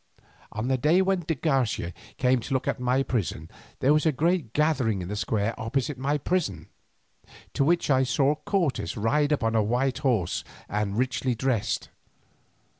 On the day when de Garcia came to look at my prison there was a great gathering in the square opposite my prison, to which I saw Cortes ride up on a white horse and richly dressed.